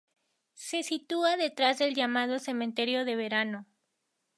Se sitúa detrás del llamado Cementerio de Verano.